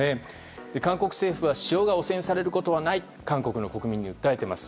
韓国政府は塩が汚染されることはないと韓国の国民に訴えています。